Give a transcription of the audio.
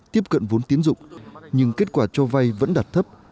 tiếp cận vốn tiến dụng nhưng kết quả cho vai vẫn đặt thấp